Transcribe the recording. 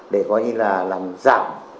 để coi như là làm giảm